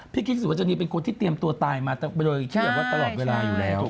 พี่กิ๊กสุวรรษณีย์เป็นคนที่เตรียมตัวตายมาโดยที่อยู่แล้ว